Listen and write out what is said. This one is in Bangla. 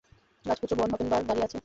রাজপুত্র ভন হফেনবার্গ দাঁড়িয়ে আছে।